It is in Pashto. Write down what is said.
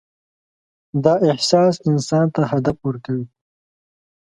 دا احساس انسان ته هدف ورکوي.